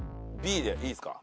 Ｂでいいっすか？